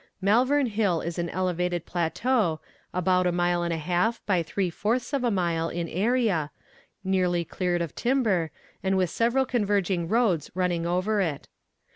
Malvern Hill is an elevated plateau, about a mile and a half by three fourths of a mile in area, nearly cleared of timber, and with several converging roads running over it.